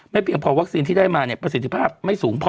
เพียงพอวัคซีนที่ได้มาเนี่ยประสิทธิภาพไม่สูงพอ